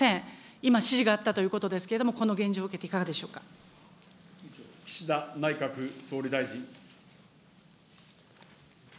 今、指示があったということですけれども、この岸田内閣総理大臣。